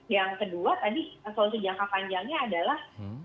yang kedua tadi solusi jangka panjangnya adalah